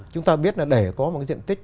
chúng ta biết là để có một diện tích